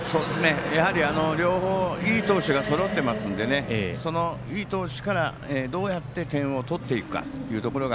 やはり両方いい投手がそろってますのでいい投手から、どうやって点を取っていくかというところが